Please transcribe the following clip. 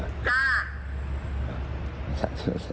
จ้ะ